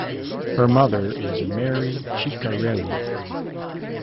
Her mother is Mary Ciccarelli.